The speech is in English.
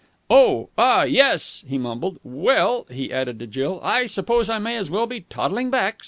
"Oh, ah, yes," he mumbled. "Well," he added to Jill, "I suppose I may as well be toddling back.